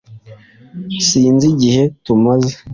sinzi igihe tumaze